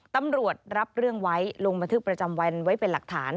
ตำรวจรับเรื่องไว้ลงบันทึกประจำวันไว้เป็นหลักฐาน